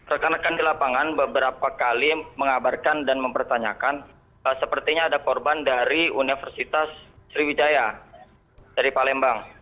rekan rekan di lapangan beberapa kali mengabarkan dan mempertanyakan sepertinya ada korban dari universitas sriwijaya dari palembang